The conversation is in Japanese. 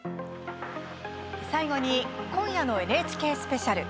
最後に今夜の「ＮＨＫスペシャル」。